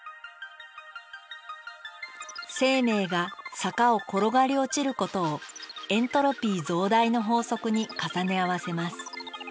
生命が坂を転がり落ちることをエントロピー増大の法則に重ね合わせます。